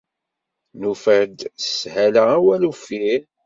Nufa-d s sshala awal uffir.